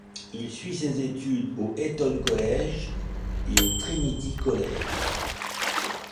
Il suit ses études au Eton College et au Trinity College.